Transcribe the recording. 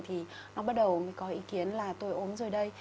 thì nó bắt đầu mới có ý kiến là tôi ốm rồi đây